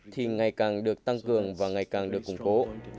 thì ngày càng được tăng cường và ngày càng được củng cố